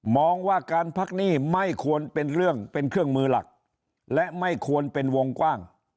มองว่าการพักหนี้ไม่ควรเป็นเรื่องเป็นเครื่องมือหลักและไม่ควรเป็นวงกว้าง